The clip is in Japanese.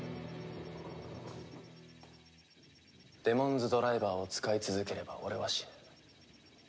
デモンズドライバーを使い続ければ俺は死ぬ。